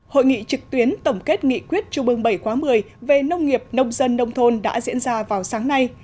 hội nghị trực tuyến tổng kết nghị quyết chung mương bảy một mươi về nông nghiệp nông dân nông thôn đã diễn ra vào sáng nay